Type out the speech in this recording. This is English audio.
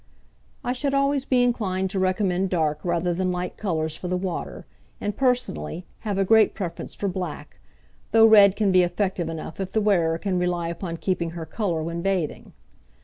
I should always be inclined to recommend dark rather than light colours for the water, and, personally, have a great preference for black, though red can be effective enough if the wearer can rely upon keeping her colour when bathing.